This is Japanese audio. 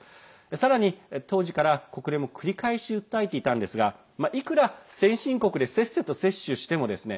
さらに、当時から国連も繰り返し訴えていたんですがいくら先進国でせっせと接種してもですね